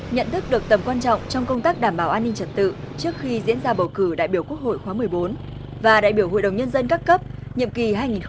nhận thức được tầm quan trọng trong công tác đảm bảo an ninh trật tự trước khi diễn ra bầu cử đại biểu quốc hội khóa một mươi bốn và đại biểu hội đồng nhân dân các cấp nhiệm kỳ hai nghìn một mươi sáu hai nghìn hai mươi một